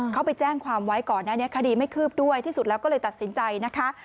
เขาไปแจ้งความไว้ก่อนหน้านี้คดีไม่คืบด้วยที่สุดแล้วก็เลยตัดสินใจนะคะ